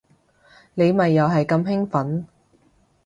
你咪又係咁興奮